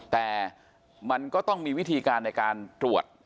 แต่มันก็ต้องมีวิธีการในการตรวจ